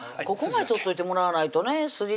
ここまで取っといてもらわないとね